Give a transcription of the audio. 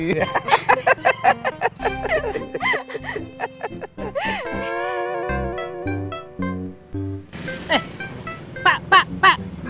eh pak pak pak